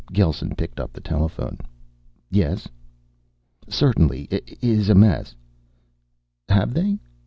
Gelsen picked up the telephone. "Yes. Certainly is a mess ... Have they?